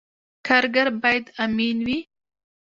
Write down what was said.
کارګر باید امین وي